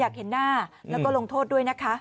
อยากเห็นหน้าแล้วก็ลงโทษด้วยนะคะ